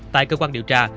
tại cơ quan điều tra